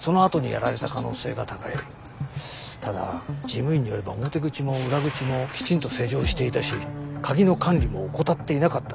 ただ事務員によれば表口も裏口もきちんと施錠していたし鍵の管理も怠っていなかったらしい。